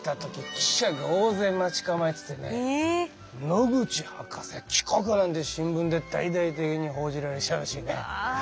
「野口博士帰国」なんて新聞で大々的に報じられちゃうしね。